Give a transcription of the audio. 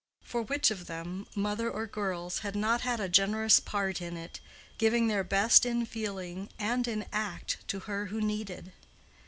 For which of them, mother or girls, had not had a generous part in it—giving their best in feeling and in act to her who needed?